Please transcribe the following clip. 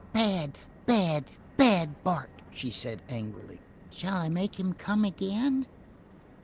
"Bad, bad, bad Bart," she said angrily. "Shall I make him come again?"